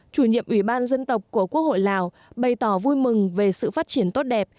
chủ nhiệm ủy ban dân tộc của quốc hội lào bày tỏ vui mừng về sự phát triển tốt đẹp